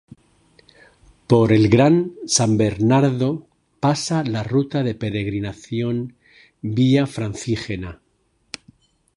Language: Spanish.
Por el Gran San Bernardo pasa la Ruta de Peregrinación Vía Francígena.